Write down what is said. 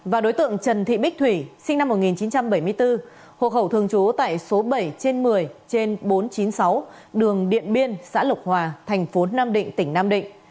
và đối tượng trần thị bích thủy sinh năm một nghìn chín trăm bảy mươi bốn hộ khẩu thường trú tại số bảy trên một mươi trên bốn trăm chín mươi sáu đường điện biên xã lộc hòa thành phố nam định tỉnh nam định